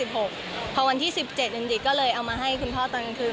พอวันที่๑๗จริงก็เลยเอามาให้คุณพ่อตอนกลางคืน